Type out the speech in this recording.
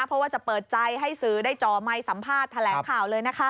เพราะว่าจะเปิดใจให้สื่อได้จ่อไมค์สัมภาษณ์แถลงข่าวเลยนะคะ